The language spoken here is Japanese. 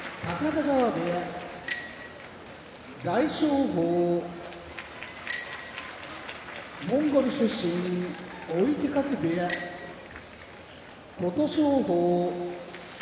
大翔鵬モンゴル出身追手風部屋琴勝峰